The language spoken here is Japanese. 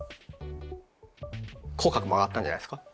口角も上がったんじゃないですか？